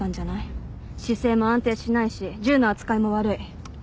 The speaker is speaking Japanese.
姿勢も安定しないし銃の扱いも悪い。